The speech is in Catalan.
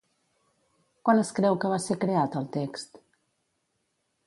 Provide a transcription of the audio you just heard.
Quan es creu que va ser creat el text?